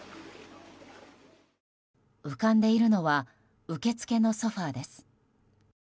浮かんでいるのは受付のソファです。